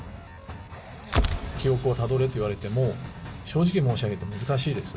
記憶をたどれと言われても、正直申し上げて難しいです。